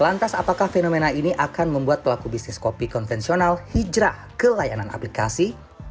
lantas apakah fenomena ini akan membuat pelaku bisnis kopi konvensional hijrah ke layanan aplikasi